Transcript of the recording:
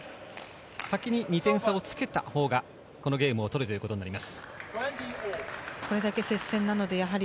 先に２点差をつけた方がこのゲームを取るということになります。